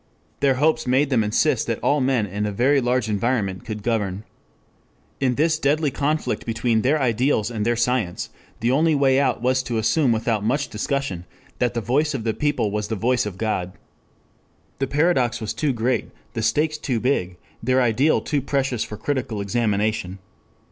Their hopes bade them insist that all men in a very large environment could govern. In this deadly conflict between their ideals and their science, the only way out was to assume without much discussion that the voice of the people was the voice of God. The paradox was too great, the stakes too big, their ideal too precious for critical examination.